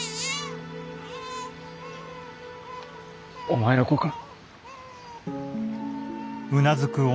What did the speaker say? お前の子か？